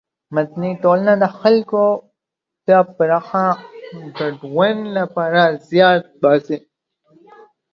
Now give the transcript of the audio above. مدني ټولنه د خلکو د پراخه ګډون له پاره زیار باسي.